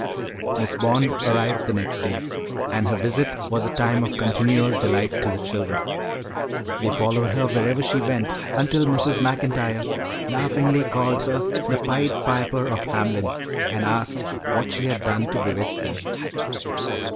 Miss Bond arrived the next day, and her visit was a time of continual delight to the children. They followed her wherever she went, until Mrs. Maclntyre laughingly called her the 'Pied Piper of Hamelin,' and asked what she had done to bewitch them.